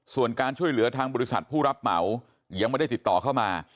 ส่วนการช่วยเหลือทางบริษัทผู้รับเหมายังไม่ได้ติดต่อเข้ามา